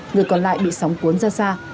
người còn lại bị sóng cuốn ra xa